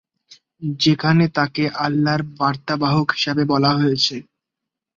যেখানে তাকে আল্লাহর বার্তাবাহক হিসাবে বলা হয়েছে।